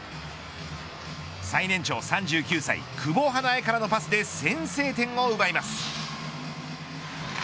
最年長３９歳久保英恵からのパスで先制点を奪います。